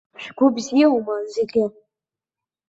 Шәгәы бзиоума зегьы.